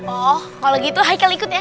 oh kalau gitu haikal ikut ya